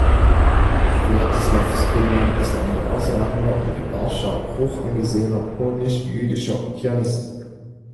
Władysław Szpilman ist ein herausragender und in Warschau hochangesehener polnisch-jüdischer Pianist.